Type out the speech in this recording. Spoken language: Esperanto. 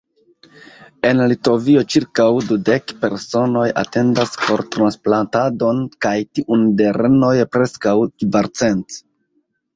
En Litovio ĉirkaŭ dudek personoj atendas kortransplantadon kaj tiun de renoj preskaŭ kvarcent.